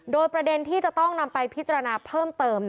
โดยประเด็นที่จะต้องนำไปพิจารณาเพิ่มเติม